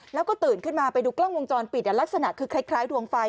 แล้วก็ตื่นขึ้นมาไปดูกล้องวงจรปิดลักษณะคือคล้ายดวงไฟ